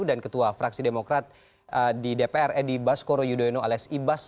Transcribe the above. dan ketua fraksi demokrat di dpr edi baskoro yudhoyono alias ibas